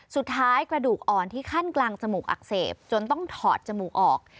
กระดูกอ่อนที่ขั้นกลางจมูกอักเสบจนต้องถอดจมูกออก